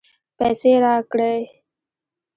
پیسې راکړې.